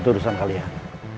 itu urusan kalian